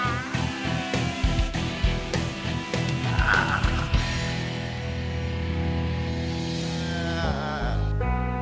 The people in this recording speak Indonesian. jangan lupa bang eri